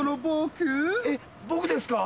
僕ですか？